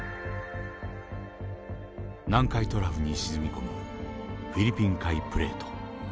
南海トラフに沈み込むフィリピン海プレート。